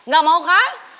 gak mau kan